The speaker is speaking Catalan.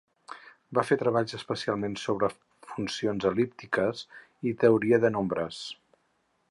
Va fer treballs especialment sobre funcions el·líptiques i teoria de nombres.